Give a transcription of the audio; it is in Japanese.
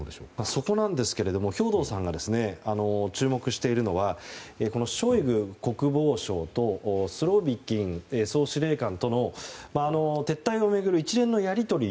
そこなんですが兵頭さんが注目しているのはショイグ国防相とスロビキン総司令官との撤退を巡る一連のやり取り。